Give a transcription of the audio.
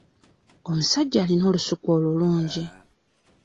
Omusajja alina olusuku olulungi.